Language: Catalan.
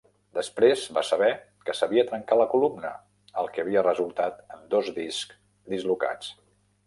Després va saber que s'havia trencat la columna, el que havia resultat en dos discs dislocats.